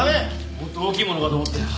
もっと大きいものかと思ったよ。